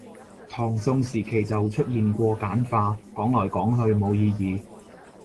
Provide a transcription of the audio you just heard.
唐宋時期就出現過簡化，講來講去冇意義